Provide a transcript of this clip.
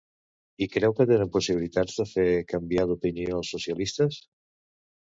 I creu que tenen possibilitats de fer canviar d'opinió els socialistes?